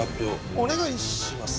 お願いします。